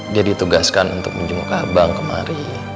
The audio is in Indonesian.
dia ditugaskan untuk menjemuk abang kemari